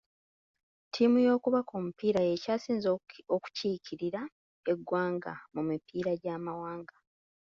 Ttiimu y'okubaka omupiira yeekyasinze okukiikirira eggwanga mu mipiira gy'amawanga.